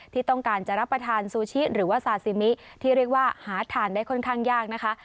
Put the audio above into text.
ที่ต้องการจะรับประทานซูชิหรือว่าซาซิมิที่เรียกว่าหาทานได้ค่อนข้างยากนะคะ